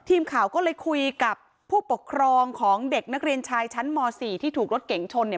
ทีมข่าวก็เลยคุยกับผู้ปกครองของเด็กนักเรียนชายชั้นม๔ที่ถูกรถเก๋งชนเนี่ย